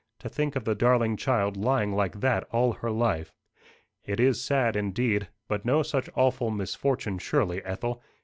To think of the darling child lying like that all her life!" "It is sad, indeed; but no such awful misfortune surely, Ethel.